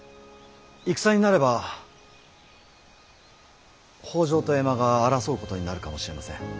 戦になれば北条と江間が争うことになるかもしれません。